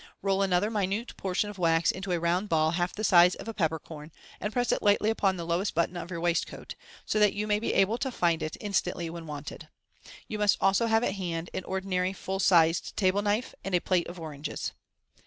Roll an other minute portion of wax into a round ball half the size of a peppercorn, and press it lightly upon the lowest button of your waist* MODERN MA GIC. 17? coat, so that you may be able to find it ins<antly when wanted. You must also have at hand an ordinary fulK sized table knife and a plate of oranges.